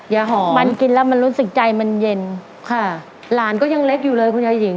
หอมมันกินแล้วมันรู้สึกใจมันเย็นค่ะหลานก็ยังเล็กอยู่เลยคุณยายหญิง